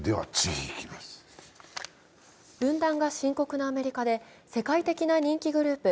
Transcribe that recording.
分断が深刻なアメリカで世界的な人気グループ